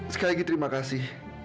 sekali lagi terima kasih